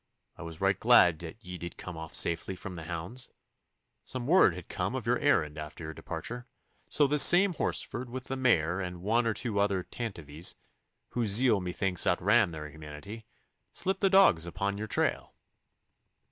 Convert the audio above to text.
I was right glad that ye did come off safely from the hounds. Some word had come of your errand after your departure, so this same Horsford with the Mayor and one or two other Tantivies, whose zeal methinks outran their humanity, slipped the dogs upon your trail.